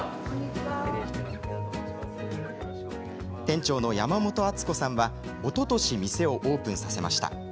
店長の山本敦子さんはおととし店をオープンさせました。